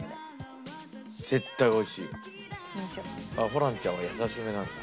ホランちゃんは優しめなんだ。